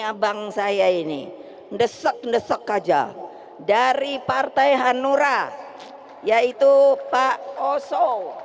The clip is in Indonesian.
abang saya ini desak desak aja dari partai hanura yaitu pak oso